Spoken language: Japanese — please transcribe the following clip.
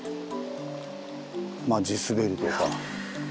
まあ地すべりとか。